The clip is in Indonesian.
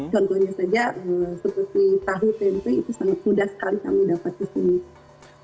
contohnya saja seperti tahu tempe itu sangat mudah sekali kami dapat di sini